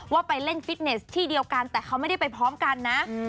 ไปเล่นฟิตเนสที่เดียวกันแต่เขาไม่ได้ไปพร้อมกันนะ